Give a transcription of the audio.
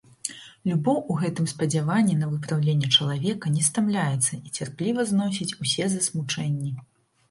Любоў у гэтым спадзяванні на выпраўленне чалавека не стамляецца і цярпліва зносіць усе засмучэнні.